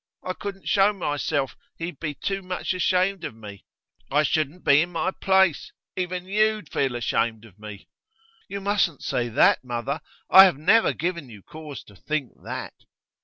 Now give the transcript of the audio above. I couldn't show myself; he'd be too much ashamed of me. I shouldn't be in my place; even you'd feel ashamed of me.' 'You mustn't say that, mother. I have never given you cause to think that.